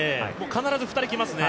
必ず２人来ますね。